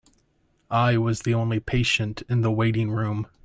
I was the only patient in the waiting room.